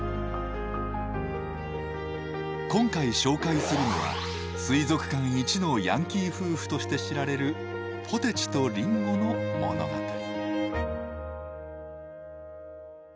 今回紹介するのは水族館イチのヤンキー夫婦として知られるポテチとリンゴの物語。